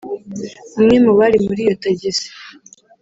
umwe mu bari muri iyo tagisi